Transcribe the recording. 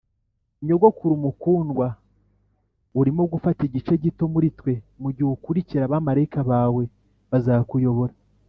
nyogokuru mukundwa, urimo gufata igice gito muri twe mugihe ukurikira abamarayika bawe bazakuyobora